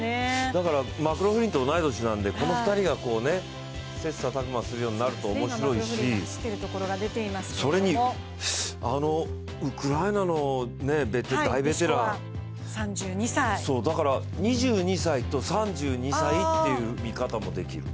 だから、マクローフリンと同い年なんで切さたく磨するようになるとおもしろいしそれにウクライナの大ベテラン２２歳と３２歳という見方もできる。